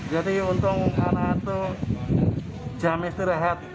jadi untung anak itu jam istri rehat